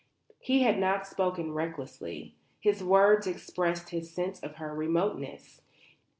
He had not spoken recklessly. His words expressed his sense of her remoteness.